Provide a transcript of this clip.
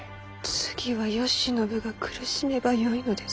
次は慶喜が苦しめばよいのです。